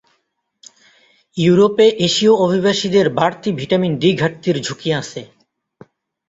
ইউরোপে এশীয় অভিবাসীদের বাড়তি ভিটামিন ডি ঘাটতির ঝুঁকি আছে।